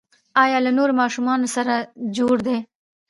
ایا له نورو ماشومانو سره جوړ دي؟